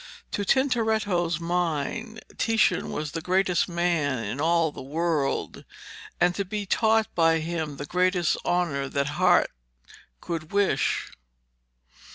To Tintoretto's mind Titian was the greatest man in all the world, and to be taught by him the greatest honour that heart could wish.